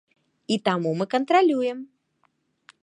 І таму мы кантралюем.